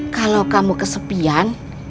kalau kamu kesepian